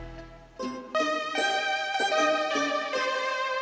anda bisa tetap berjaga jaga